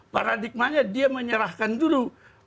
paradigmanya dia menyerahkan dulu